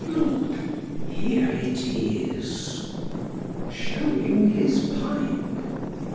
Look, here it is!" (Showing his pipe.)